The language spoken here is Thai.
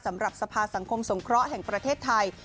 สำหรับสภาสังคมสงเคราะห์แห่งประเทศไทย